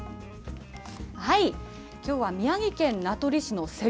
きょうは宮城県名取市のせり